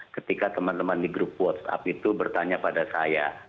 ketika teman teman di grup whatsapp itu bertanya pada saya